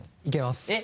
いけます。